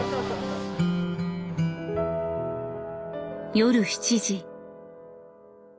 夜７時。